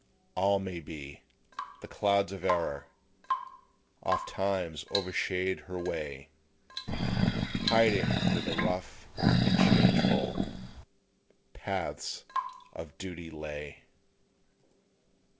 All may be; the clouds of error Ofttimes overshade her way, Hiding where the rough and changeful Paths of duty lay.